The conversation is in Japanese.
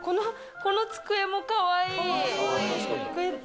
この机もかわいい。